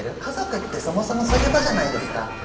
家族ってそもそもそういう場じゃないですか。